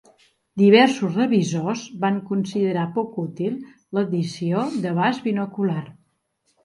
Diversos revisors van considerar poc útil l'addició d'abast binocular.